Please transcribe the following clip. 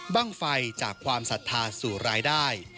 บ้างไฟจากความศรัทธาสู่รายได้